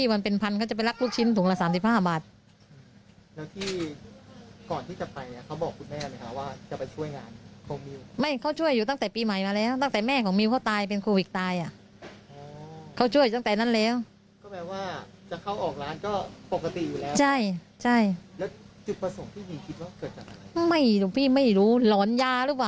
ว่าเรื่องของมิวเค้าเป็นโควิกตาย